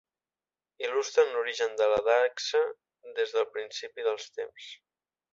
Il·lustren l'origen de la dacsa des del principi dels temps.